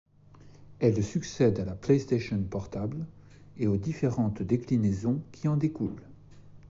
Elle succède à la PlayStation Portable et aux différentes déclinaisons qui en découlent.